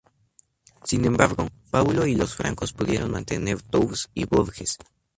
Sin embargo, Paulo y los francos pudieron mantener Tours y Bourges.